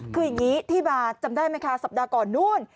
คืออย่างนี้ที่มาจำได้ไหมคะสัปดาห์ก่อนนู้น